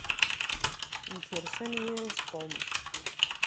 Yekres anyir-is Tom.